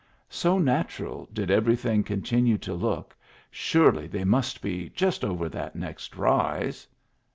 So natural did every thing continue to look, surely they must be just over that next rise